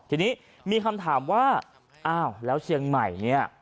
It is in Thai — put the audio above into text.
ทีนี้มีคำถามว่าอ้าวแล้วเชียงใหม่เนี่ย